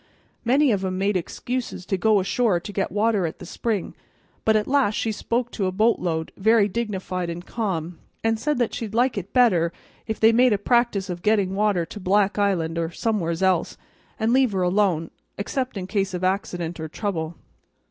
Many of 'em made excuse to go ashore to get water at the spring; but at last she spoke to a bo't load, very dignified and calm, and said that she'd like it better if they'd make a practice of getting water to Black Island or somewheres else and leave her alone, except in case of accident or trouble.